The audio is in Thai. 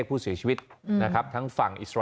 มีผู้เสียชีวิตอย่างน้อย๖ศพขณะที่หลังเหตุโจมตีดังกล่าวนะครับ